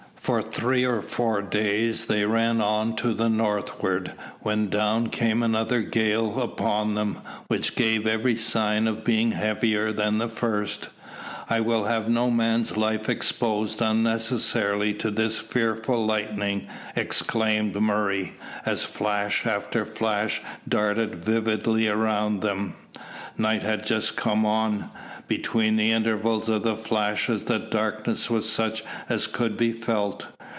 For three or four days they ran on to the northward, when down came another gale upon them, which gave every sign of being heavier even than the first. "I will have no man's life exposed unnecessarily to this fearful lightning," exclaimed Murray, as flash after flash darted vividly around them. Night had just come on. Between the intervals of the flashes the darkness was such as could be felt.